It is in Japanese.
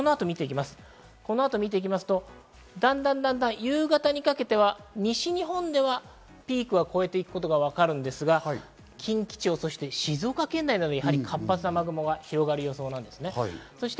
この後、見てきますとだんだん夕方にかけては西日本ではピークは越えていくことがわかるんですが、近畿地方、静岡県内などでも活発な雨雲が広がる予想です。